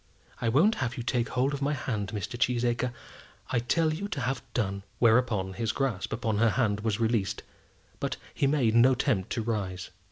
I won't have you take hold of my hand, Mr. Cheesacre. I tell you to have done." Whereupon his grasp upon her hand was released; but he made no attempt to rise.